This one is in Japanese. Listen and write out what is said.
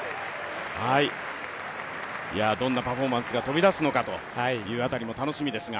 どんなパフォーマンスが飛び出すのかというところが楽しみですが。